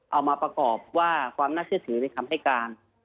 เอามาประกอบว่าความน่าเชื่อถือในคำให้การ